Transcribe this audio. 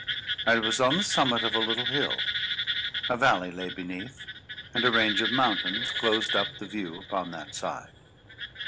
I was on the summit of a little hill; a valley lay beneath, and a range of mountains closed up the view upon that side.